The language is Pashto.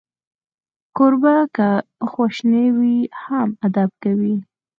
کوربه که په خواشینۍ وي، هم ادب کوي.